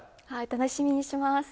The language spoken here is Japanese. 楽しみにします。